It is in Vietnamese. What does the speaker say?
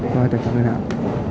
vâng tài khoản ngân hàng